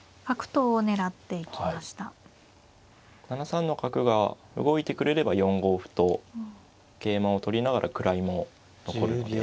７三の角が動いてくれれば４五歩と桂馬を取りながら位も残るので。